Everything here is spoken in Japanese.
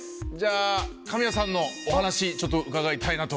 神谷さんのお話伺いたいなと。